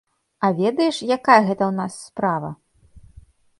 А ведаеш, якая гэта ў нас справа?